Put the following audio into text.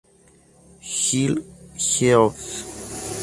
Hill, Geoff.